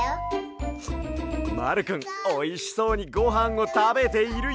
まるくんおいしそうにごはんをたべているＹＯ！